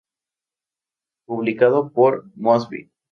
Publicado por Mosby.